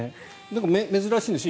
珍しいんでしょ